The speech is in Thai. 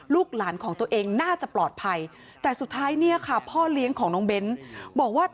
ลูกหลานของตัวเองน่าจะปลอดภัยแต่สุดท้ายเนี่ยค่ะพ่อเลี้ยงของน้องเบ้นบอกว่า